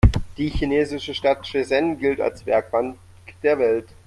Die chinesische Stadt Shenzhen gilt als „Werkbank der Welt“.